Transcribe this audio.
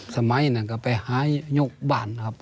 สมัยนั้นก็ไปหายยกบ้านครับ